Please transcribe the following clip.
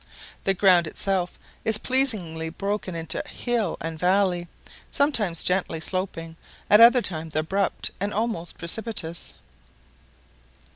The ground itself is pleasingly broken into hill and valley, sometimes gently sloping, at other times abrupt and almost precipitous.